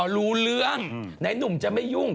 รู้เรื่องไหนหนุ่มจะไม่ยุ่ง